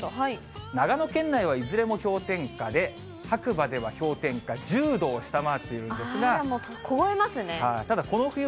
長野県内はいずれも氷点下で、白馬では氷点下１０度を下回っているんですが。